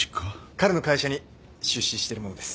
彼の会社に出資してる者です。